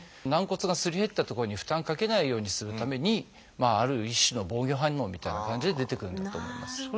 軟骨がすり減った所に負担かけないようにするためにある一種の防御反応みたいな感じで出てくるんだと思います。